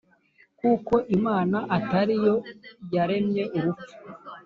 kuko Imana atari yo yaremye urupfu,